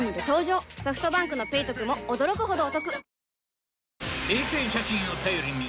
ソフトバンクの「ペイトク」も驚くほどおトク